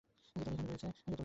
এখানে রয়েছেঃ